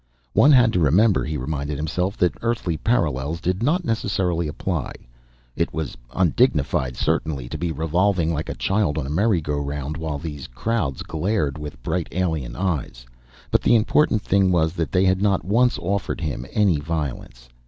One had to remember, he reminded himself, that Earthly parallels did not necessarily apply. It was undignified, certainly, to be revolving like a child on a merry go round, while these crowds glared with bright alien eyes; but the important thing was that they had not once offered him any violence.